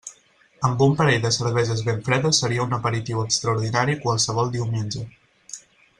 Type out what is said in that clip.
Amb un parell de cerveses ben fredes seria un aperitiu extraordinari qualsevol diumenge.